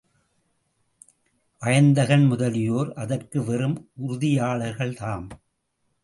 வயந்தகன் முதலியோர் அதற்கு வெறும் உறுதியாளர்கள்தாம்.